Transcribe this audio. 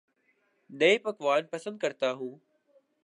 نئے پکوان پسند کرتا ہوں